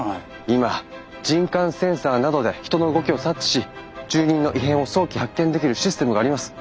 今人感センサーなどで人の動きを察知し住人の異変を早期発見できるシステムがあります。